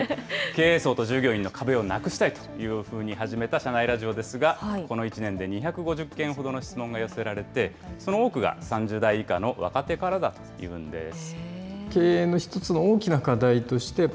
経営層と従業員の壁をなくしたいというふうに始めた社内ラジオですが、この１年で２５０件ほどの質問が寄せられて、その多くが３０代以下の若手からだというんです。